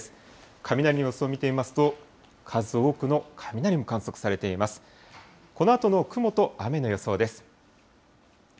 雷の様子を見てみますと、数多くの雷も観測されています。